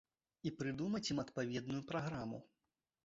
І прыдумаць ім адпаведную праграму.